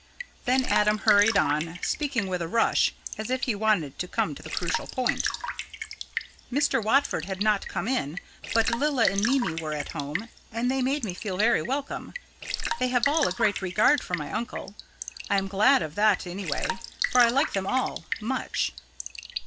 Then Adam hurried on, speaking with a rush, as if he wanted to come to the crucial point. "Mr. Watford had not come in, but Lilla and Mimi were at home, and they made me feel very welcome. They have all a great regard for my uncle. I am glad of that any way, for I like them all much.